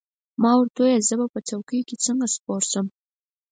ما ورته وویل: زه به په څوکۍ کې څنګه سپور شم؟